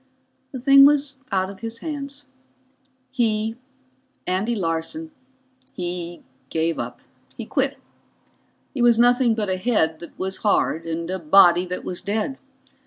The thing was out of his hands. He Andy Larson he gave up. He quit. He was nothing but a head that was hard and a body that was dead.